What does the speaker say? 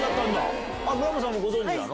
村元さんもご存じなの？